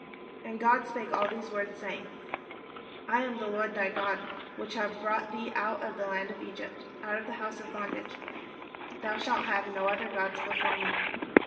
And God spake all these words, saying :— "I am the Lord thy God, which have brought thee out of the land of Egypt, out of the house of bondage. Thou shalt have no other gods before me.